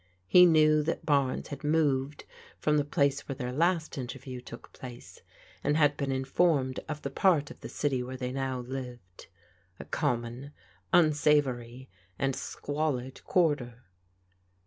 He knew that Barnes ViaA toon^^ Vtaoi "ftafc 280 PRODIGAL DAUOHTEBS place where their last interview took place, and had been informed of the part of the city where they now Kved: a common, unsavoury, and squalid quarter.